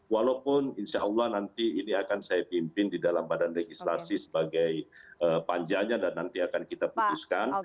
walaupun insya allah nanti ini akan saya pimpin di dalam badan legislasi sebagai panjanya dan nanti akan kita putuskan